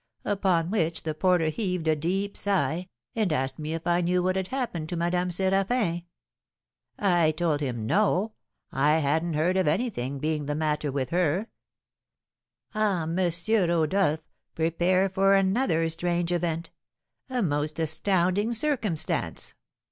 Upon which the porter heaved a deep sigh, and asked me if I knew what had happened to Madame Séraphin? I told him, 'No; I hadn't heard of anything being the matter with her.' Ah, M. Rodolph, prepare for another strange event, a most astounding circumstance!"